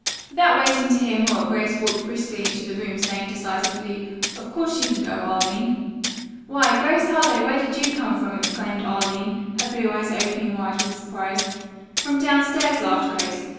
Without waiting to hear more, Grace walked briskly into the room, saying decisively, "Of course she can go, Arline." "Why, Grace Harlowe, where did you come from?" exclaimed Arline, her blue eyes opening wide with surprise. "From downstairs," laughed Grace.